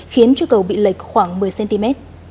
khiến cho cầu bị lệch khoảng một mươi cm